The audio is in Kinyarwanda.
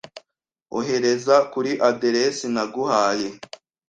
Ohereza kuri aderesi naguhaye.